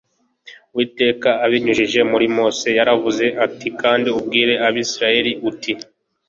Uwiteka abinyijije muri Mose yaravuze ati Kandi ubwire Abisirayeli uti